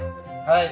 はい。